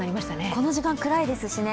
この時間、暗いですしね。